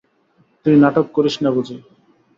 তুই নাটক করিস না বুঝি?